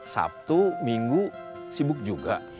sabtu minggu sibuk juga